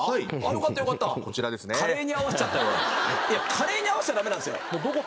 カレーに合わせちゃ駄目なんですよ。